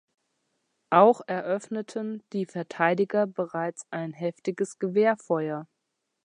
Auch eröffneten die Verteidiger bereits ein heftiges Gewehrfeuer.